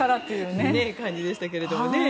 そんな感じでしたけどね。